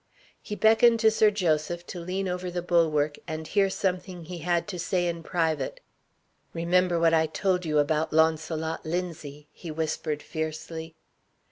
He beckoned to Sir Joseph to lean over the bulwark, and hear something he had to say in private. "Remember what I told you about Launcelot Linzie!" he whispered fiercely.